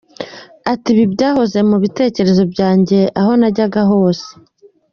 Ati “Ibi byahoze mu bitekerezo byanjye aho najyaga hose.